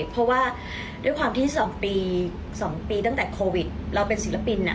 เพราะว่าด้วยความที่๒ปีตั้งแต่โควิดเราเป็นศิลปิน